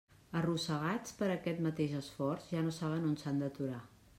Arrossegats per aquest mateix esforç, ja no saben on s'han d'aturar.